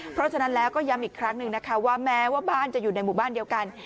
เพราะฉะนั้นแล้วก็ย้ำอีกครั้งหนึ่งนะคะว่าแม้ว่าบ้านจะอยู่ในหมู่บ้านเดียวกัน